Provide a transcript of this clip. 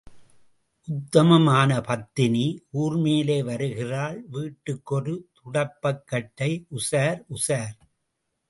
உத்தமம் ஆன பத்தினி ஊர்மேலே வருகிறாள் வீட்டுக்கு ஒரு துடைப்பக்கட்டை, உஷார், உஷார்.